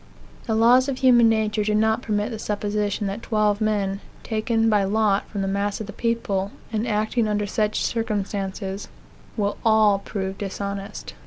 The laws of human nature do not permit the supposition that twelve men, taken by lot from the mass of the people, and acting under such circumstances, will all prove dishonest.